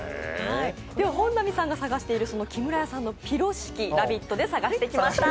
本並さんが探している木村屋のピロシキ、「ラヴィット！」で探してきました。